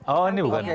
oh ini bukan